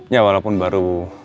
ya walaupun baru